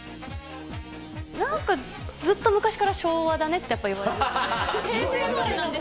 なんかずっと昔から、昭和だねって、やっぱり言われるんで。